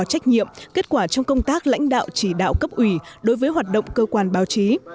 trách nhiệm kết quả trong công tác lãnh đạo chỉ đạo cấp ủy đối với hoạt động cơ quan báo chí